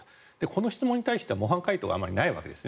この質問に対しては模範解答があまりないわけです。